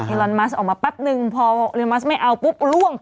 อิรันมัสออกมาประปป์หนึ่งพออิรันมัสไม่เอาปุ๊บล่วง